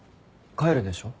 帰るでしょ？